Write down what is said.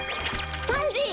パンジー！